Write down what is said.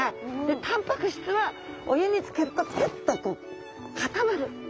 たんぱく質はお湯につけるとピュッと固まる。